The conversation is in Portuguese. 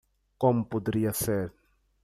Como poderia ser?